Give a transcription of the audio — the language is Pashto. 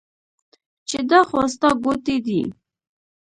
چې دا خو ستا ګوتې دي